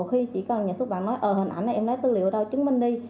khi chỉ cần nhà xuất bản nói ờ hình ảnh này em lấy tư liệu ở đâu chứng minh đi